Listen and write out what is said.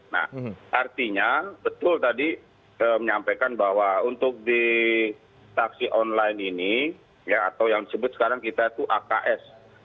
nah artinya betul tadi menyampaikan bahwa untuk di taksi online ini ya atau yang disebut sekarang kita itu aks